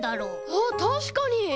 あったしかに！